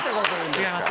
違います